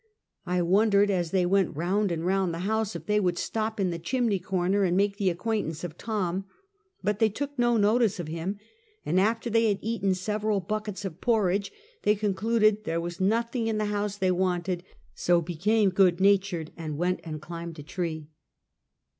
I wondered as they went round and round the house, if they would stop in the chimney corner, and make the acquaintance of Tom; but they took no notice of him, and after they had eaten several buckets of porridge, they concluded there was nothing in the house they wanted, so became good natured and went and climbed a tree.